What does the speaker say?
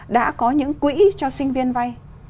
đã có những quỹ cho sinh viên vay